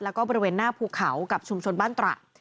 แล้วก็บริเวณหน้าภูเขากับชุมชนบ้านตระ